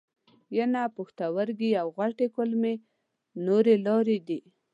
ینه، پښتورګي او غټې کولمې نورې لارې دي.